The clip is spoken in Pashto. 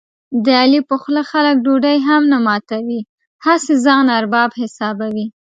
د علي په خوله خلک ډوډۍ هم نه ماتوي، هسې ځان ارباب حسابوي.